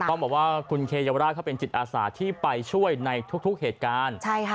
ต้องบอกว่าคุณเคเยาวราชเขาเป็นจิตอาสาที่ไปช่วยในทุกเหตุการณ์